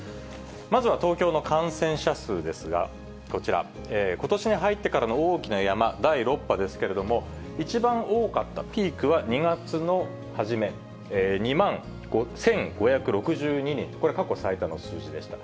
まずは東京の感染者数ですが、こちら、ことしに入ってからの大きな山、第６波ですけれども、一番多かったピークは２月の初め、２万１５６２人、これ過去最多の数字でした。